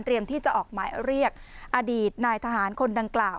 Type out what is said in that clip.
ที่จะออกหมายเรียกอดีตนายทหารคนดังกล่าว